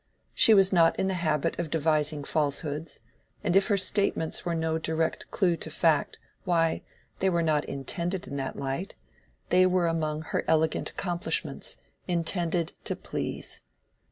She was not in the habit of devising falsehoods, and if her statements were no direct clew to fact, why, they were not intended in that light—they were among her elegant accomplishments, intended to please.